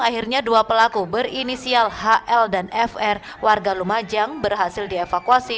akhirnya dua pelaku berinisial hl dan fr warga lumajang berhasil dievakuasi